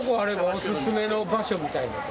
おすすめの場所みたいなとこ。